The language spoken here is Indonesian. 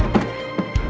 jangan lupa untuk mencoba